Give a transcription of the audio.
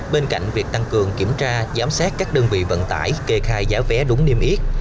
bên cạnh việc tăng cường kiểm tra giám sát các đơn vị vận tải kê khai giá vé đúng niêm yết